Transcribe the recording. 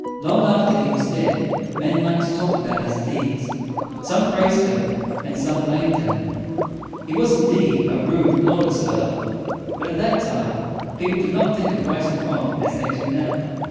Long after he was dead, men liked to talk about his deeds. Some praised him, and some blamed him. He was, indeed, a rude, lawless fellow; but at that time, people did not think of right and wrong as they do now.